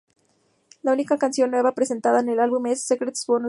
La única canción nueva presentada en el álbum es ""Secrets Bonus track"".